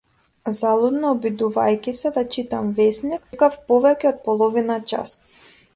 Залудно обидувајќи се да читам весник, чекав повеќе од половина час.